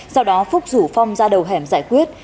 sau đó phúc rủ phong ra đầu hẻm giải quyết